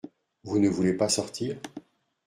Vous ne voulez pas sortir ?…